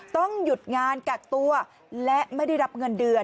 ต้องหยุดงานกักตัวและไม่ได้รับเงินเดือน